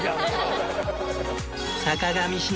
坂上忍